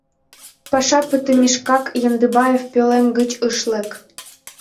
Паша пытымешкак Яндыбаев пӧлем гыч ыш лек.